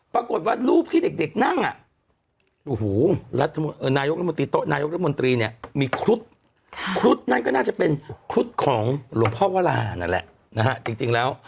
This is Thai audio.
ปรากฏว่ารูปที่เด็กนั่งอะ